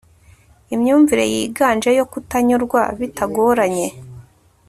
Imyumvire yiganje yo kutanyurwa bitagoranye